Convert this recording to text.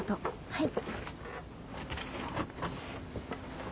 はい！